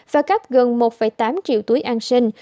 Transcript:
và cấp gần một tám triệu túi an sinh